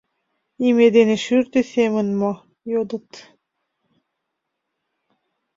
— Име ден шӱртӧ семын мо? — йодыт.